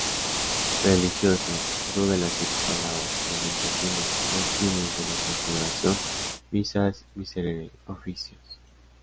Religiosas: "Dúo de las siete palabras", "Lamentaciones", "Maitines de la transfiguración", Misas, Miserere, Oficios.